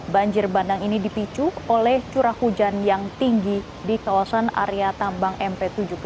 banjir bandang ini dipicu oleh curah hujan yang tinggi di kawasan area tambang mp tujuh puluh tujuh